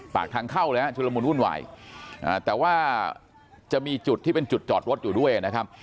ปากทางเข้าเลยฮะชุดละมุนวุ่นวายแต่ว่าจะมีจุดที่เป็นจุดจอดรถอยู่ด้วยนะครับ